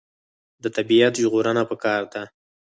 د طبیعت ژغورنه پکار ده.